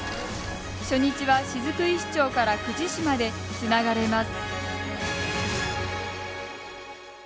初日は雫石町から久慈市までつながれます。